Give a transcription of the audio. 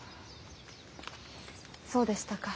そうでしたか。